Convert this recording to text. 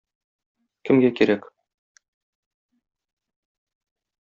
Кемгә кирәк?